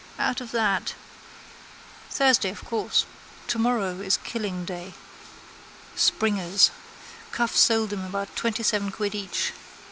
out of that! Thursday, of course. Tomorrow is killing day. Springers. Cuffe sold them about twentyseven quid each.